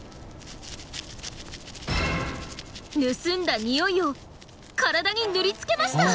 盗んだ匂いを体に塗りつけました！